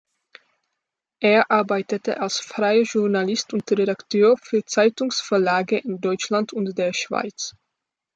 Er arbeitete als freier Journalist und Redakteur für Zeitungsverlage in Deutschland und der Schweiz.